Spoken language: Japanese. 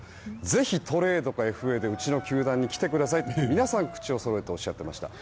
ぜひ、トレードかＦＡでうちの球団に来てくださいと皆さん口をそろえておっしゃっていました。